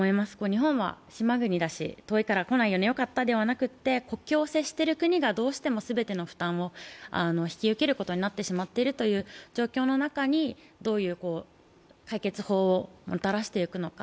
日本は島国だし、遠いから来ないよねではなく、国境を接している国がどうしても全ての負担を引き受けることになってしまっているという状況の中でどういう解決方をもたらしていくのか。